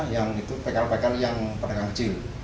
yang itu pekal pekal yang pendekang kecil